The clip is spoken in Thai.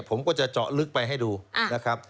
ผมก็จะเจาะลึกไปให้ดูนะครับ